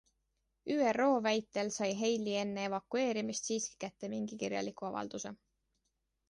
ÜRO väitel sai Haley enne evakueerumist siiski kätte mingi kirjaliku avalduse.